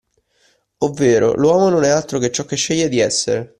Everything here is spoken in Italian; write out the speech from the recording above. Ovvero l'uomo non è altro che ciò che sceglie di essere.